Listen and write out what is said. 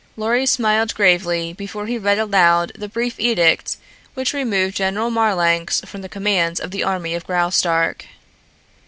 Lorry smiled gravely before he read aloud the brief edict which removed General Marlanx from the command of the army of Graustark.